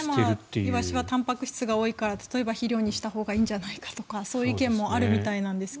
イワシはたんぱく質が多いから例えば、肥料にしたほうがいいんじゃないかとかそういう意見もあるみたいなんですが。